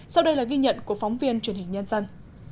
sau đây là ghi nhận của phóng viên truyền hình nhân dân